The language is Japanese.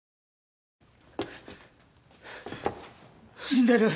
死んでる